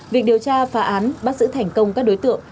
việc điều tra phá án bắt giữ thành công các đối tượng